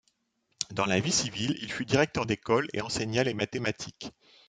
Dans la vie civile, il fut directeur d'école et enseigna les mathématiques.